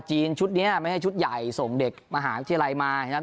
จีนชุดเนี้ยไม่ให้ชุดใหญ่ส่งเด็กมหาที่อะไรมานะครับ